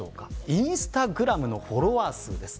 インスタグラムのフォロワー数です。